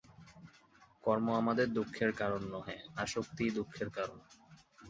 কর্ম আমাদের দুঃখের কারণ নহে, আসক্তিই দুঃখের কারণ।